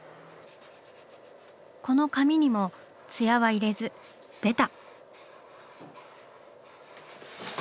この髪にもツヤは入れずベタ。